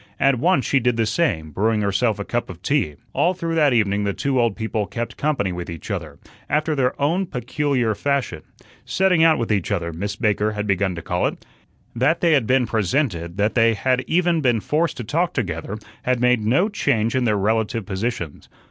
At once she did the same, brewing herself a cup of tea. All through that evening the two old people "kept company" with each other, after their own peculiar fashion. "Setting out with each other" Miss Baker had begun to call it. That they had been presented, that they had even been forced to talk together, had made no change in their relative positions.